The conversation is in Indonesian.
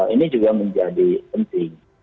ini juga menjadi penting